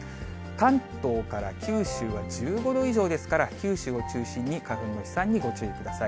関東から九州は１５度以上ですから、九州を中心に花粉の飛散にご注意ください。